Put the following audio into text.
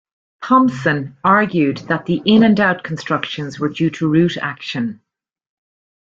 Thompson argued that the "in-and-out" constructions were due to root action.